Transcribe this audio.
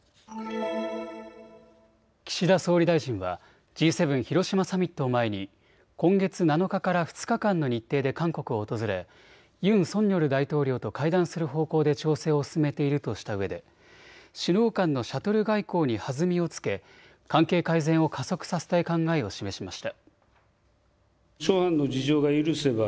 岸田総理大臣はＧ７広島サミットを前に今月７日から２日間の日程で韓国を訪れユン・ソンニョル大統領と会談する方向で調整を進めているとしたうえで首脳間のシャトル外交に弾みをつけ関係改善を加速させたい考えを示しました。